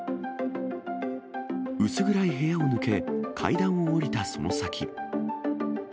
薄暗い部屋を抜け、階段を下りたその先。